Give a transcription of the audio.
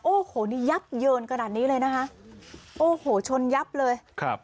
โอ้โหนี่ยับเยินขนาดนี้เลยนะคะโอ้โหชนยับเลยครับ